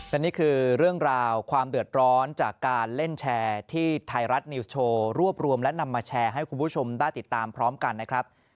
และนี่คือเรื่องราวความเดือดร้อนจากการเล่นแชร์ที่ไทยรัฐนิวส์โชว์รวบรวมและนำมาแชร์ให้คุณผู้ชมได้ติดตามพร้อมกันนะครับ